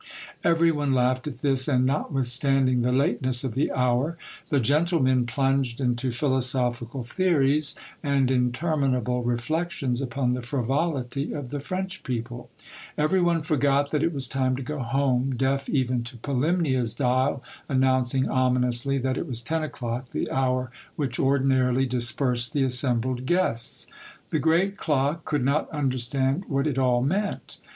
Every one laughed at this, and notwithstanding the lateness of the hour, the gentlemen plunged into philosophical theories and interminable re flections upon the frivolity of the French people. Every one forgot that it was time to go home, deaf even to Polymnia's dial announcing ominously that it was ten o'clock, the hour which ordinarily dis persed the assembled guests. The great clock could not understand what it all meant.